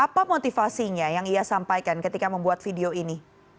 apa motivasinya yang ia sampaikan ketika membuat video ini